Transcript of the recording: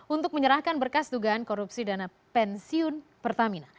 untuk menyerahkan berkas dugaan korupsi dana pensiun pertamina